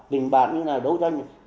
tình bạn như thế nào đấu tranh như thế nào